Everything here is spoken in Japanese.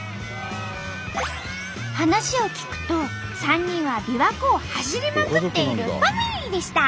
話を聞くと３人はびわ湖を走りまくっているファミリーでした！